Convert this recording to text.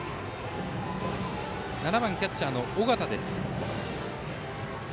打席には７番キャッチャー、尾形です。